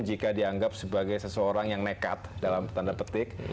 jika dianggap sebagai seseorang yang nekat dalam tanda petik